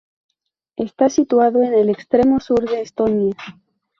Está situado en el extremo sur de Estonia.